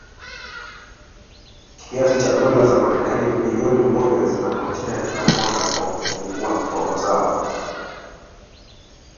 Kiasi cha dola za Marekani bilioni moja zinapotea kila mwaka kwa kupungua kwa mazao